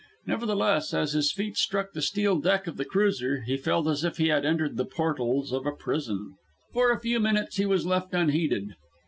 Nevertheless, as his feet struck the steel deck of the cruiser, he felt as if he had entered the portals of a prison. For a few minutes he was left unheeded.